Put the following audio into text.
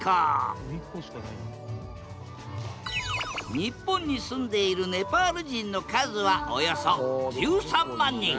日本に住んでいるネパール人の数はおよそ１３万人。